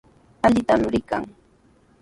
Allitami rikan.